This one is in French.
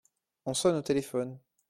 On sonne au téléphone.